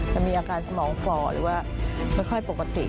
จะมีอาการสมองฝ่อหรือว่าไม่ค่อยปกติ